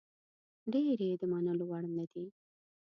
ډېرې یې د منلو وړ نه دي.